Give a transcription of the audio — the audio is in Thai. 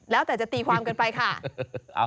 แล้วแต่จะตีความกันไปค่ะ